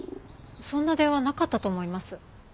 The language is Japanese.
そんな電話なかったと思います。